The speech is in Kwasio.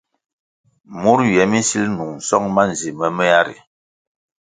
Mua nywie mi nsil nung song manzi momea ri.